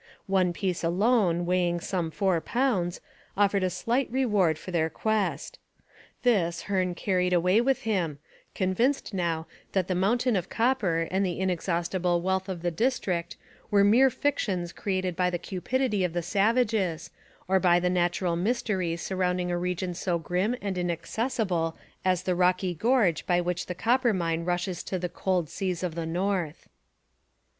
One piece alone, weighing some four pounds, offered a slight reward for their quest. This Hearne carried away with him, convinced now that the mountain of copper and the inexhaustible wealth of the district were mere fictions created by the cupidity of the savages or by the natural mystery surrounding a region so grim and inaccessible as the rocky gorge by which the Coppermine rushes to the cold seas of the north.